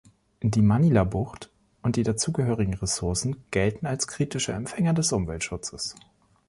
Die Manilabucht und die dazugehörigen Ressourcen gelten als kritische Empfänger des Umweltschutzes.